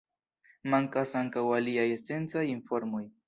Mankas ankaŭ aliaj esencaj informoj.